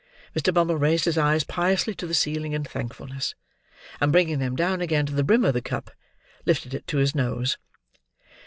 Mr. Bumble raised his eyes piously to the ceiling in thankfulness; and, bringing them down again to the brim of the cup, lifted it to his nose.